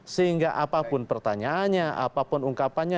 sehingga apapun pertanyaannya apapun ungkapannya